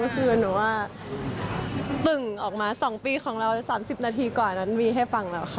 ก็คือหนูว่าตึ่งออกมา๒ปีของเรา๓๐นาทีกว่านั้นวีให้ฟังแล้วค่ะ